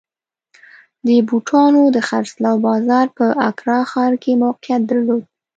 د بوټانو د خرڅلاو بازار په اکرا ښار کې موقعیت درلود.